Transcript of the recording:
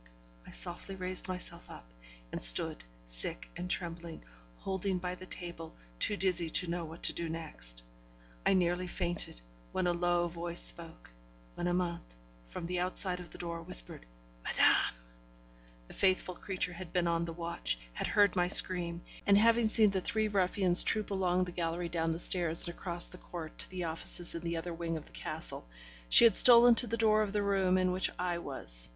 I softly raised myself up, and stood sick and trembling, holding by the table, too dizzy to know what to do next. I nearly fainted, when a low voice spoke when Amante, from the outside of the door, whispered, 'Madame!' The faithful creature had been on the watch, had heard my scream, and having seen the three ruffians troop along the gallery down the stairs, and across the court to the offices in the other wing of the castle, she had stolen to the door of the room in which I was.